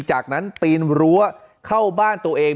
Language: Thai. จากนั้นปีนรั้วเข้าบ้านตัวเอง